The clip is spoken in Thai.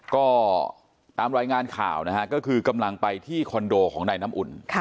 ก็ตามรายงานข่าวนะฮะก็คือกำลังไปที่คอนโดของนายน้ำอุ่น